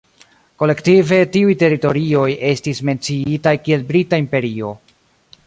Kolektive, tiuj teritorioj estis menciitaj kiel Brita imperio.